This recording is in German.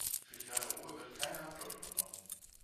Für die Garderobe wird keine Haftung übernommen.